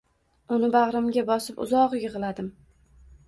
Uni bag`rimga bosib uzoq yig`ladim